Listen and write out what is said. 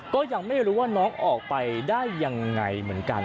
ก็ยังไม่รู้ว่าน้องออกไปได้ยังไงเหมือนกัน